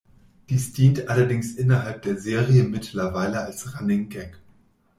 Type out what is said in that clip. Dies dient allerdings innerhalb der Serie mittlerweile als Running Gag.